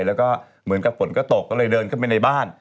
แล้วก็เหมือนกับฝนก็ตกก็เลยเดินเข้าไปในบ้าน